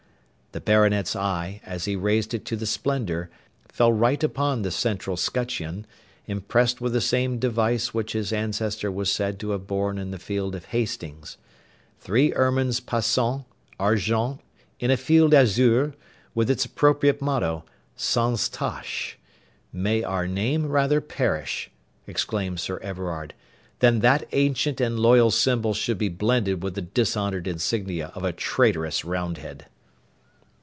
The Baronet's eye, as he raised it to the splendour, fell right upon the central scutcheon, inpressed with the same device which his ancestor was said to have borne in the field of Hastings, three ermines passant, argent, in a field azure, with its appropriate motto, Sans tache. 'May our name rather perish,' exclaimed Sir Everard, 'than that ancient and loyal symbol should be blended with the dishonoured insignia of a traitorous Roundhead!'